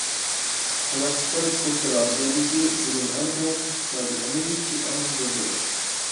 قازاقىستان ئوتتۇرا ئاسىيادىكى زېمىنى ئەڭ چوڭ، ئىقتىسادىي ئەمەلىي كۈچى ئەڭ زور دۆلەت.